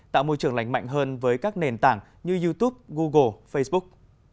tạo môi trường lành mạnh hơn với các nền tảng như youtube google facebook